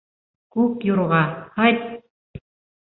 Күк юрға, һайт!